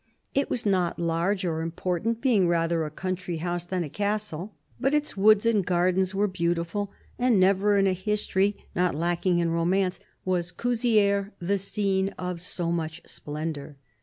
It was not large or important, being rather a country house than a castle ; but its woods and gardens were beautiful, and never, in a history not lacking in romance, was Couzieres the scene of so much splendour.